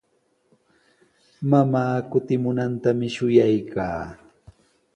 Mamaa kutimunantami shuyaykaa.